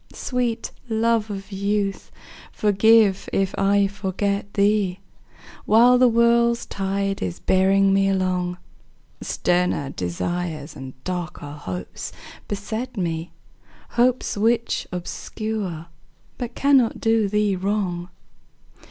Sweet love of youth, forgive if I forget thee While the world's tide is bearing me along; Sterner desires and darker hopes beset me, Hopes which obscure but cannot do thee wrong.